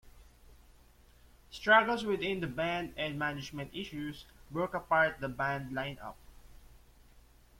Struggles within the band and management issues broke apart the band line-up.